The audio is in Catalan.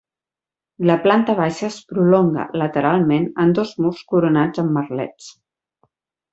La planta baixa es prolonga lateralment en dos murs coronats amb merlets.